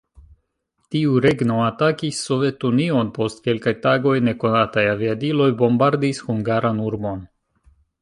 Tiu regno atakis Sovetunion, post kelkaj tagoj nekonataj aviadiloj bombardis hungaran urbon.